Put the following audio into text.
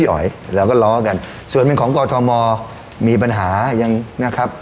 อ๋อยเราก็ล้อกันส่วนเป็นของกอทมมีปัญหายังนะครับ